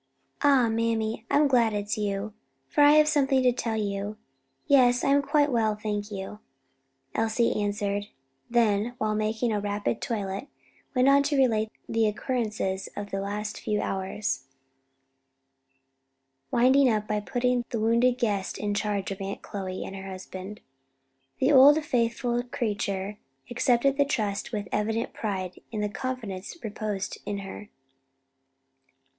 "Ah, mammy, I'm glad it is you, for I have something to tell you. Yes, I'm quite well, thank you," Elsie answered, then while making a rapid toilet, went on to relate the occurrences of the last few hours, winding up by putting the wounded guest in charge of Aunt Chloe and her husband. The faithful old creature accepted the trust with evident pride in the confidence reposed in her.